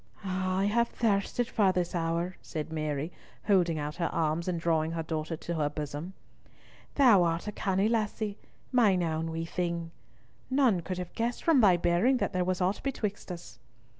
"Ah, I have thirsted for this hour!" said Mary, holding out her arms and drawing her daughter to her bosom. "Thou art a canny lassie, mine ain wee thing. None could have guessed from thy bearing that there was aught betwixt us."